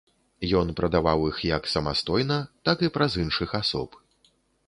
Ён прадаваў іх як самастойна, так і праз іншых асоб.